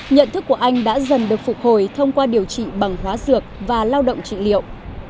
nhận thức của anh đã dần được phục hồi thông qua điều trị bằng hóa dược và lao động trị liệu